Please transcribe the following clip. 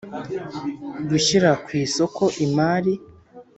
Gushyira ku isoko imari